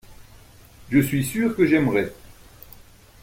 Je suis sûr que j’aimerais.